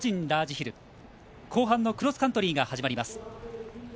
ラージヒル後半のクロスカントリーが始まります。